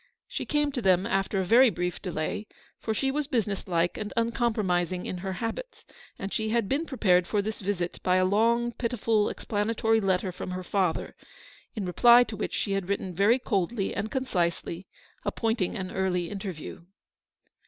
She came to them after a very brief delay, for she was business like and uncompromising in her habits, and she GO ELEANOR'S VICTORY. had been prepared for this visit by a long, pitiful, explanatory letter from her father, in reply to which she had written very coldly and concisely, appointing an early interview.